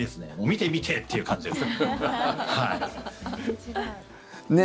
見て、見てっていう感じですね。